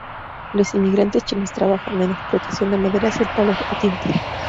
Los inmigrantes chinos trabajaban en la explotación de maderas y el palo de tinte.